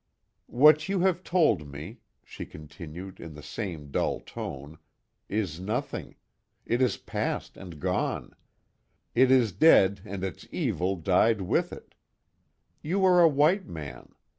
_" "What you have told me," she continued, in the same dull tone, "Is nothing. It is past and gone. It is dead, and its evil died with it. You are a white man.